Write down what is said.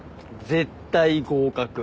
絶対合格。